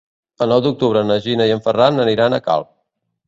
El nou d'octubre na Gina i en Ferran aniran a Calp.